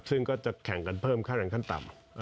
ซึ่งก็จะแข่งกันเพิ่มค่าแรงขั้นต่ำ